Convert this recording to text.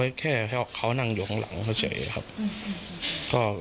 แต่ไม่ได้ว่าเอาหน้าเขาไปทิ้มกับท่อนะครับ